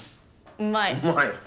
うまい！